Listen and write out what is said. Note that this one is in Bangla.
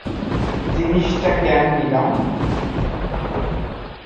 জিনিসটা কেন নিলাম?